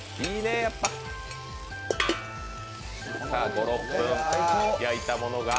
５６分焼いたものが。